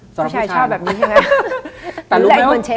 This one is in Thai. ผู้ชายชอบแบบนี้ใช่ไหม